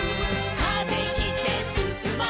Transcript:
「風切ってすすもう」